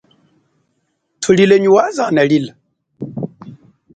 Thulile nyi waze analila.